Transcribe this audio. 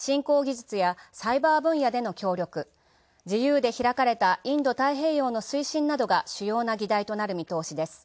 サイバー分野での協力、自由で開かれた、インド太平洋の推進などが主要な議題となる見通し。